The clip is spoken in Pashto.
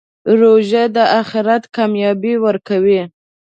روژه د آخرت کامیابي ورکوي.